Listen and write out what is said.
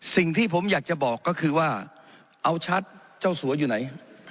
สิ่งที่ผมอยากจะบอกก็คือว่าเอาชัดเจ้าสัวอยู่ไหน